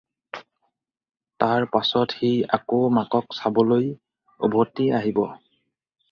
তাৰ পাছত সি আকৌ মাকক চাবলৈ উভতি আহিব।